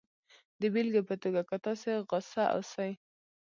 د بېلګې په توګه که تاسې غسه اوسئ